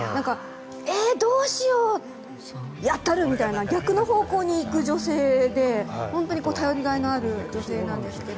えー、どうしようやったる！みたいな感じに逆の方向に行く女性で本当に頼りがいのある女性なんですけど。